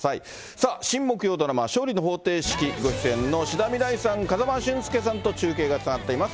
さあ、新木曜ドラマ、勝利の法廷式ご出演の志田未来さん、風間俊介さんと中継がつながっています。